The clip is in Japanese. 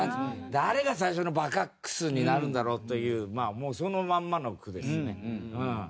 誰が最初のバカックスになるんだろう？というまあそのまんまの句ですね。